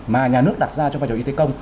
mà nhà nước đặt ra cho vài chồng y tế công